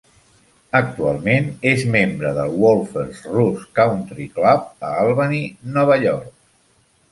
Actualment és membre del Wolferts Roost Country Club a Albany, Nova York.